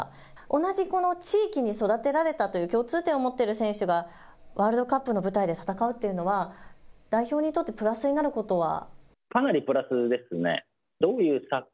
同じこの地域に育てられたという共通点を持っている選手がワールドカップの舞台で戦うのは代表にとってプラスになることは。